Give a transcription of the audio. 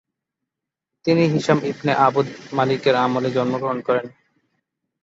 তিনি Hisham ibn আবদ-মালিকের আমলে জন্মগ্রহণ করেন।